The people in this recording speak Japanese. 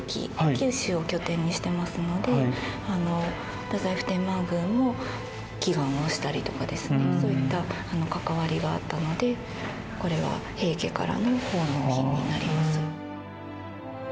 九州を拠点にしてますので太宰府天満宮も祈願をしたりとかですねそういった関わりがあったのでこれは平家からの奉納品になります。